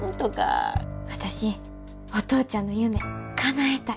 私お父ちゃんの夢かなえたい。